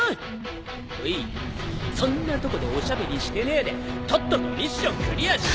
おいそんなとこでおしゃべりしてねえでとっととミッションクリアして。